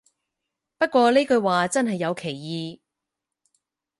不過呢句話真係有歧義